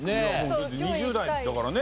２０代だからね。